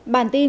bản tin một